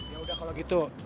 ya udah kalau gitu